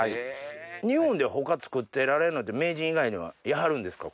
日本で他作っておられるのは名人以外にはいはるんですか？